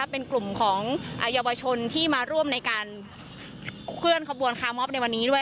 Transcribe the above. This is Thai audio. เป็นกลุ่มของเยาวชนที่มาร่วมในการเคลื่อนขบวนคาร์มอบในวันนี้ด้วย